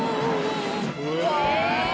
うわ！